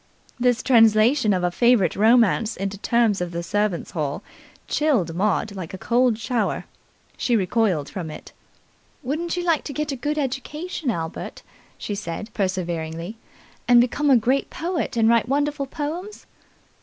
This translation of a favourite romance into terms of the servants' hall chilled Maud like a cold shower. She recoiled from it. "Wouldn't you like to get a good education, Albert," she said perseveringly, "and become a great poet and write wonderful poems?"